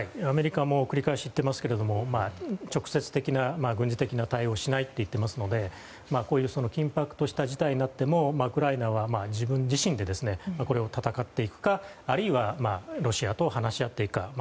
アメリカも繰り返し言っていますが直接的な軍事的な対応をしないと言っていますのでこういう緊迫とした事態になってもウクライナは自分自身で戦っていくかあるいはロシアと話し合っていくか